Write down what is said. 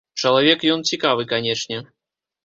Чалавек ён цікавы, канечне.